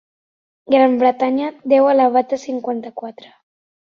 Gran Bretanya deu elevat a cinquanta-quatre.